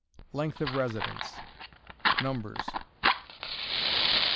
Length of Residence. Numbers.